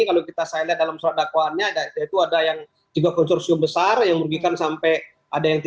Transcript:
kalau kita saya lihat dalam surat dakwaannya yaitu ada yang juga konsorsium besar yang merugikan sampai ada yang tidak